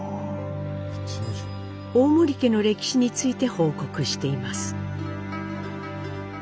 大森家の歴史について報告しています。